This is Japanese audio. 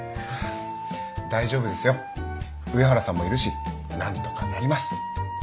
大丈夫ですよ上原さんもいるしなんとかなります。